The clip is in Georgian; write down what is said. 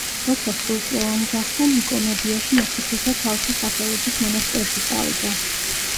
როცა სრულწლოვანი გახდა, ნიკომედიაში მოციქულთა თავთა სახელობის მონასტერში წავიდა.